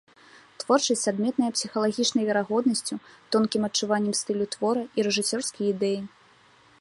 Творчасць адметная псіхалагічнай верагоднасцю, тонкім адчуваннем стылю твора і рэжысёрскай ідэі.